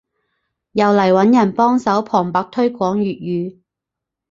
又嚟揾人幫手旁白推廣粵語